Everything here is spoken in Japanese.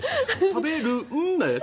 食べるんだよね。